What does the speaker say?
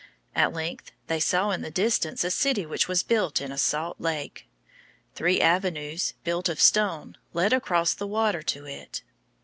At length they saw in the distance a city which was built in a salt lake. Three avenues, built of stone, led across the water to it.